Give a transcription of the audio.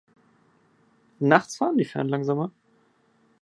Nachts fahren die Fähren langsamer.